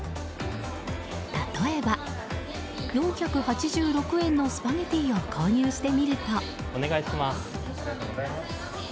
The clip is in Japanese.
例えば、４８６円のスパゲティを購入してみると。